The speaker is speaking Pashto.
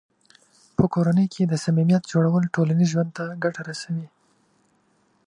په کورنۍ کې د صمیمیت جوړول ټولنیز ژوند ته ګټه رسوي.